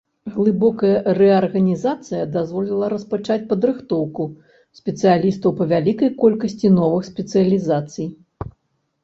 Глыбокая рэарганізацыя дазволіла распачаць падрыхтоўку спецыялістаў па вялікай колькасці новых спецыялізацый.